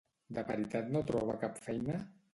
De veritat no troba cap feina?